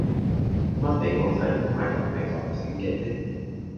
乜你個仔唔係同你同姓嘅咩